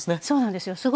そうなんですよ